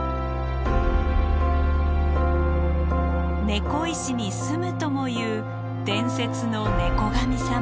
猫石に棲むともいう伝説の猫神様。